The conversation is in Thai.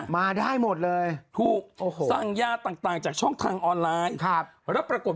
มาได้หมดเลยถูกสั่งย่าต่างจากช่องทางออนไลน์